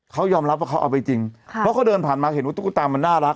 คือจริงเพราะก็เดินผ่านมาเห็นว่าตุ๊กตามันน่ารัก